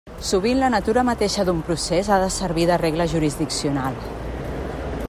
Sovint la natura mateixa d'un procés ha de servir de regla jurisdiccional.